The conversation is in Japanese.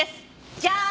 じゃーん！